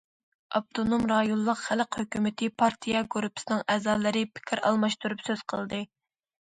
ئاپتونوم رايونلۇق خەلق ھۆكۈمىتى پارتىيە گۇرۇپپىسىنىڭ ئەزالىرى پىكىر ئالماشتۇرۇپ سۆز قىلدى.